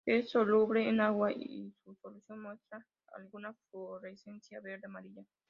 Es soluble en agua y su solución muestra alguna fluorescencia verde-amarilla.